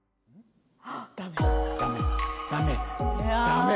ダメ？